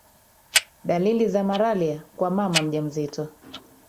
dalili za maralia kwa mama mjamzito